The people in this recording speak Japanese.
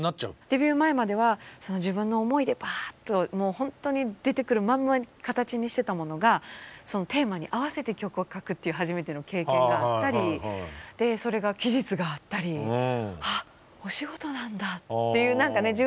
デビュー前までは自分の思いでバーっともうほんとに出てくるまんま形にしてたものがそのテーマに合わせて曲を書くという初めての経験があったりそれが期日があったり何かね